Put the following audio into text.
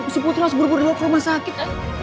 si putri harus buru buru ke rumah sakit